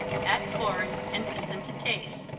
Add corn and season to taste.